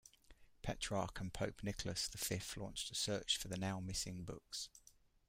Petrarch and Pope Nicholas the Fifth launched a search for the now missing books.